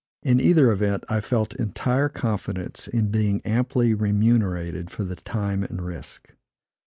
In either event, I felt entire confidence in being amply remunerated for the time and risk.